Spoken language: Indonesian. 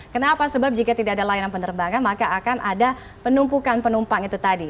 kenapa sebab jika tidak ada layanan penerbangan maka akan ada penumpukan penumpang itu tadi